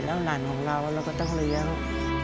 แล้วราญของเราเราก็ต้องเรียง